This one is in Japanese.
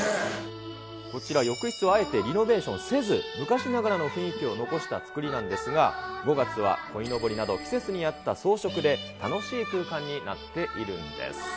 こちら、浴室はあえてリノベーションせず、昔ながらの雰囲気を残した作りなんですが、５月はこいのぼりなど、季節に合った装飾で楽しい空間になっているんです。